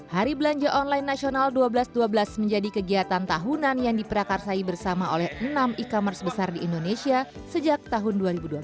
hari belanja online nasional dua belas dua belas menjadi kegiatan tahunan yang diperakarsai bersama oleh enam e commerce besar di indonesia sejak tahun dua ribu dua belas